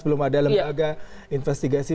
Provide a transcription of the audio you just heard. belum ada lembaga investigasi